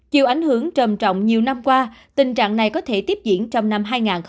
chiều ảnh hưởng trầm trọng nhiều năm qua tình trạng này có thể tiếp diễn trong năm hai nghìn hai mươi bốn